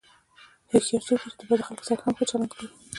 هوښیار څوک دی چې د بدو خلکو سره هم ښه چلند کوي.